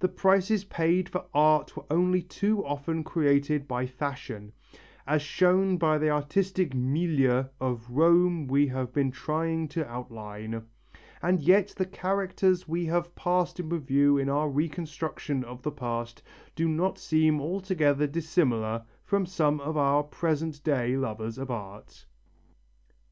The prices paid for art were only too often created by fashion, as shown by the artistic milieu of Rome we have been trying to outline, and yet the characters we have passed in review in our reconstruction of the past do not seem altogether dissimilar from some of our present day lovers of art.